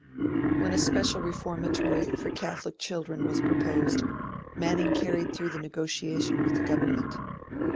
When a special Reformatory for Catholic children was proposed, Manning carried through the negotiation with the Government.